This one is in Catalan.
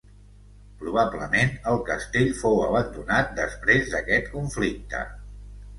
Probablement el castell fou abandonat després d'aquest conflicte.